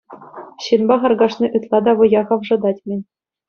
Ҫынпа харкашни ытла та вӑя хавшатать-мӗн.